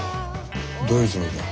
どういうつもりだ。